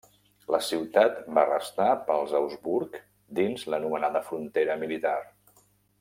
La ciutat va restar pels Habsburg dins l'anomenada Frontera Militar.